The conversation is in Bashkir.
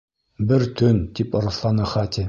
— Бер төн... — тип раҫланы Хати.